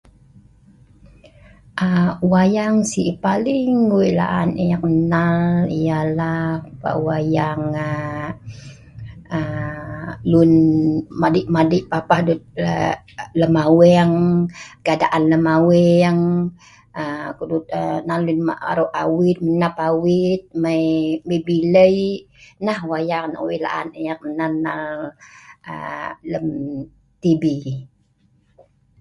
aa wayang si paling wei laan eek nal yalah aa wayang aaa lun masei madei papah dut maweng, keadaan lem aweng aaa ku'dut nan lun aro' awit nap awit mai bi'lei, nah wayang nok wei' la'an eek nal nal aa lem tibi.